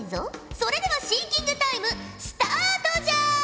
それではシンキングタイムスタートじゃ！